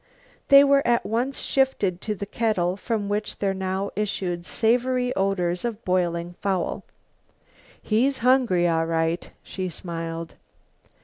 They were at once shifted to the kettle from which there now issued savory odors of boiling fowl. "He's hungry all right," she smiled.